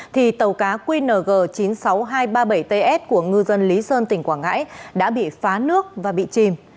thì tàu cá qng chín mươi sáu nghìn hai trăm ba mươi bảy ts của ngư dân lý sơn tỉnh quảng ngãi đã bị phá nước và bị chìm